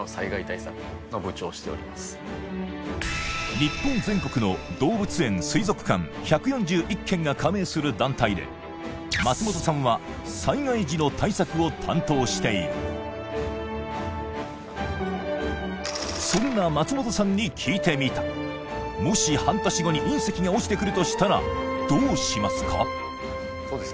日本全国の動物園水族館１４１軒が加盟する団体で松本さんは災害時の対策を担当しているそんな松本さんに聞いてみたもし半年後に隕石が落ちてくるとしたらどうしますか？